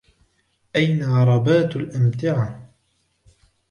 أين عربات الأمتعة ؟